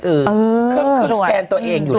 เครื่องขึ้นสแกนตัวเองอยู่แล้ว